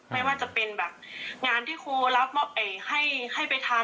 ไม่ว่าจะเป็นแบบงานที่ครูรับมอบให้ไปทาน